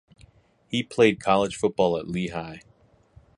He played college football at Lehigh.